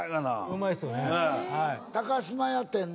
うまいですよね。